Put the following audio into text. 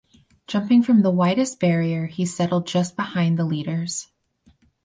Jumping from the widest barrier he settled just behind the leaders.